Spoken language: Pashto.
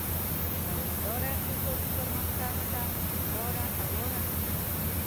دوامداره اقتصادي پرمختګ ته لار هواره کړي.